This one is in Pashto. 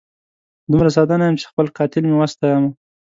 دومره ساده نه یم چي خپل قاتل مي وستایمه